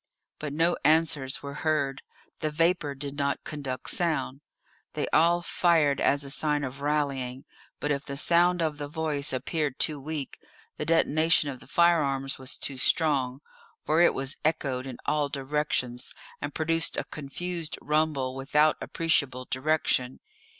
But no answers were heard; the vapour did not conduct sound. They all fired as a sign of rallying. But if the sound of the voice appeared too weak, the detonation of the firearms was too strong, for it was echoed in all directions, and produced a confused rumble without appreciable direction.